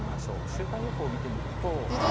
週間予報見てみると。